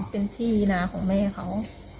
เป็นที่นาของแม่เขา